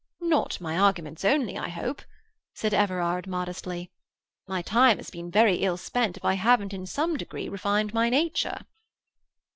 "Not my arguments only, I hope," said Everard modestly. "My time has been very ill spent if I haven't in some degree, refined my nature."